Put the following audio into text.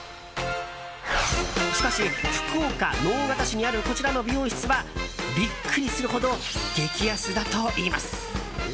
しかし、福岡・直方市にあるこちらの美容室はビックリするほど激安だといいます。